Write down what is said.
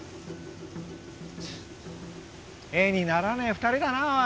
絵にならねえ２人だなおい。